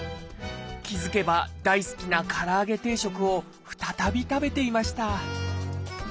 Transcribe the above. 気付けば大好きなから揚げ定食を再び食べていました。